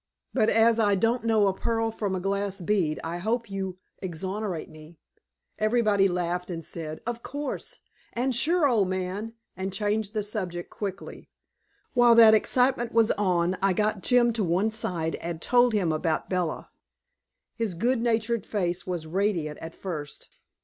But as I don't know a pearl from a glass bead, I hope you exonerate me." Everybody laughed and said, "Of course," and "Sure, old man," and changed the subject quickly. While that excitement was on, I got Jim to one side and told him about Bella. His good natured face was radiant at first.